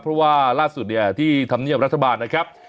เพราะว่าล่าสุดเนี่ยที่ธรรมเนียบรัฐบาลนะครับ